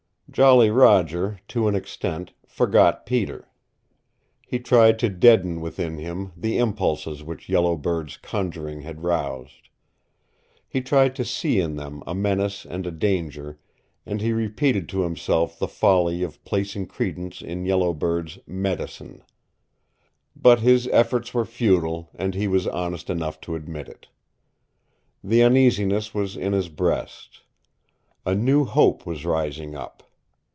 Jolly Roger, to an extent, forgot Peter. He tried to deaden within him the impulses which Yellow Bird's conjuring had roused. He tried to see in them a menace and a danger, and he repeated to himself the folly of placing credence in Yellow Bird's "medicine." But his efforts were futile, and he was honest enough to admit it. The uneasiness was in his breast. A new hope was rising up.